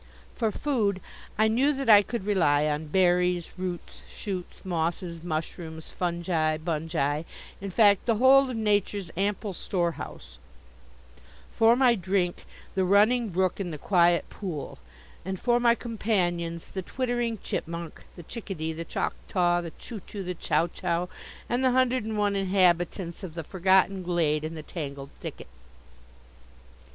For food I knew that I could rely on berries, roots, shoots, mosses, mushrooms, fungi, bungi in fact the whole of Nature's ample storehouse; for my drink, the running brook and the quiet pool; and for my companions the twittering chipmunk, the chickadee, the chocktaw, the choo choo, the chow chow, and the hundred and one inhabitants of the forgotten glade and the tangled thicket.